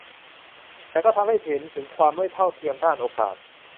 แต่ก็ทำให้เห็นถึงความไม่เท่าเทียมด้านโอกาส